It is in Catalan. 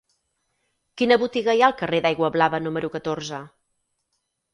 Quina botiga hi ha al carrer d'Aiguablava número catorze?